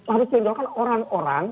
harus diindulkan orang orang